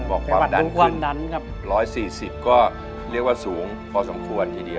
บอกความดันคือ๑๔๐ก็เรียกว่าสูงพอสมควรทีเดียว